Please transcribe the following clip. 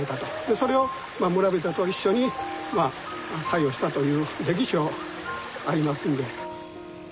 それを村人と一緒に作業したという歴史がありますんで。